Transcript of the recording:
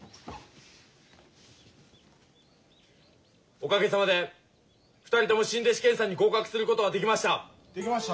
おかげさまで２人とも新弟子検査に合格することができました。